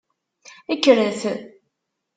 Kkret.